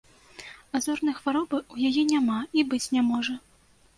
А зорнай хваробы ў яе няма і быць не можа.